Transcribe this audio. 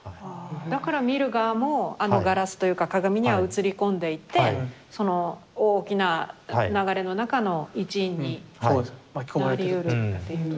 だから見る側もあのガラスというか鏡には映り込んでいてその大きな流れの中の一員になりうるっていう。